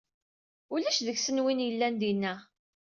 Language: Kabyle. Ulac deg-sen win i yellan dina.